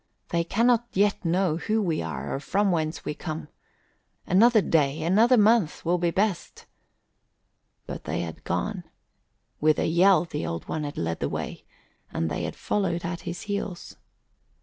They cannot yet know who we are or from whence we come. Another day, another month, will be best!" But they had gone. With a yell the Old One had led the way, and they had followed at his heels.